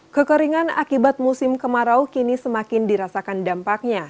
kekeringan akibat musim kemarau kini semakin dirasakan dampaknya